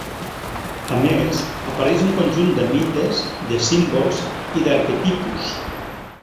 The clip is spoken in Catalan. A més, apareix un conjunt de mites, de símbols i d'arquetipus.